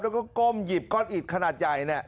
แล้วก็ก้มหยิบก้อนอิดขนาดใหญ่